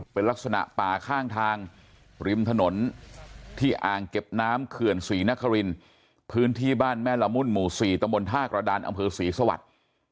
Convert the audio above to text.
เป็นลักษณะป่าข้างทางริมถนนที่อ่างเก็บน้ำเขื่อนศรีนครินพื้นที่บ้านแม่ละมุ่นหมู่๔ตมท่ากระดานอำเภอศรีสวรรค์